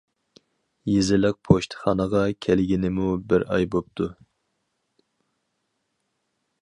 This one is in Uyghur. يېزىلىق پوچتىخانىغا كەلگىنىمۇ بىر ئاي بوپتۇ.